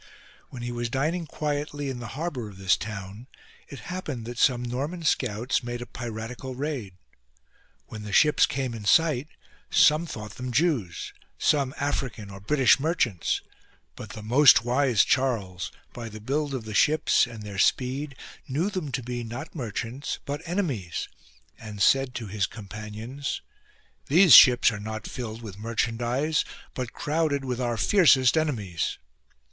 When he was dining quietly in the harbour of this town, it happened that some Norman scouts made a piratical raid. When the ships came in sight some thought them Jews, some African or British merchants, but the most wise Charles, by the build of the ships and their speed, knew them to be not merchants but enemies, and said to his companions :" These ships 138 CHARLES'S PREMONITIONS are not filled with merchandise, but crowded with our fiercest enemies."